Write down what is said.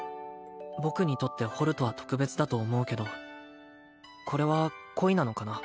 僕にとってホルトは特別だと思うけどこれは恋なのかな？